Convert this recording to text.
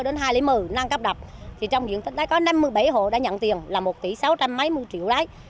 đến hai nghìn một mươi nâng cấp đập trong diện tích đã có năm mươi bảy hồ đã nhận tiền là một tỷ sáu trăm linh mấy mưu triệu đấy